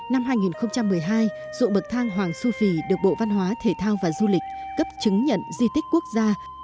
năm hai nghìn một mươi hai ruộng bậc thang hoàng su phi được bộ văn hóa thể thao và du lịch cấp chứng nhận di tích quốc gia